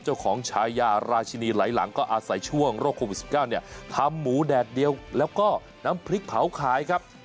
ฉายาราชินีไหลหลังก็อาศัยช่วงโรคโควิด๑๙เนี่ยทำหมูแดดเดียวแล้วก็น้ำพริกเผาขายครับ